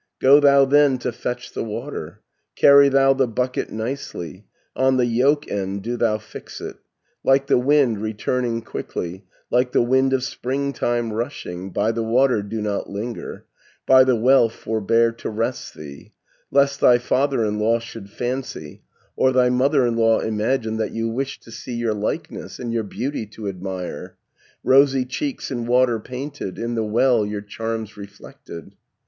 Go thou then to fetch the water. Carry thou the bucket nicely, On the yoke end do thou fix it, Like the wind returning quickly, Like the wind of springtime rushing, By the water do not linger, By the well forbear to rest thee, 310 Lest thy father in law should fancy, Or thy mother in law imagine That you wished to see your likeness, And your beauty to admire, Rosy cheeks in water painted, In the well your charms reflected.